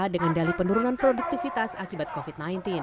dengan dali penurunan produktivitas akibat covid sembilan belas